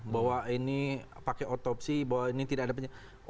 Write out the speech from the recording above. bahwa ini pakai otopsi bahwa ini tidak ada penyakit